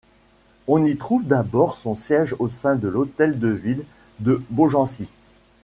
On y trouve d'abord son siège au sein de l’Hôtel de Ville de Beaugency.